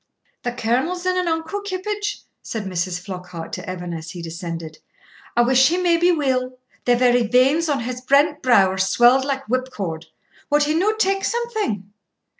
'The Colonel's in an unco kippage,' said Mrs. Flockhart to Evan as he descended; 'I wish he may be weel, the very veins on his brent brow are swelled like whipcord; wad he no tak something?'